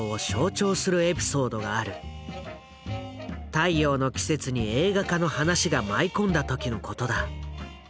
「太陽の季節」に映画化の話が舞い込んだ時のことだ。